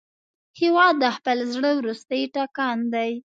هېواد د خپل زړه وروستی ټکان دی.